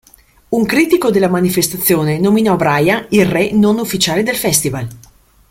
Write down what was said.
Un critico della manifestazione nominò Brian "Il re non ufficiale del festival".